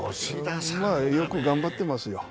よく頑張ってますよ。